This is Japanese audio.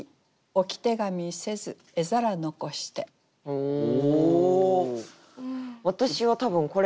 おお！